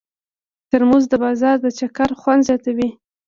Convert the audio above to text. ترموز د بازار د چکر خوند زیاتوي.